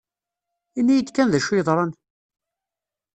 Ini-yi-d kan d acu yeḍran!